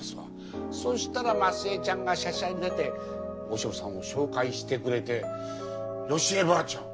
そしたら満寿絵ちゃんがしゃしゃり出て和尚さんを紹介してくれて良枝ばあちゃん